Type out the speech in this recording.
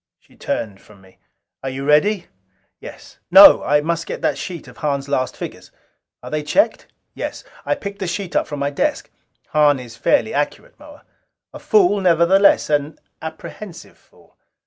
She turned from me. "Are you ready?" "Yes. No! I must get that sheet of Hahn's last figures." "Are they checked?" "Yes." I picked the sheet up from my desk. "Hahn is fairly accurate, Moa." "A fool, nevertheless. An apprehensive fool."